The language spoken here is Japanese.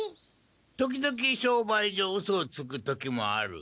時々商売上うそをつく時もある。